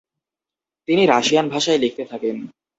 তিনি রাশিয়ান ভাষায় লিখতে থাকেন।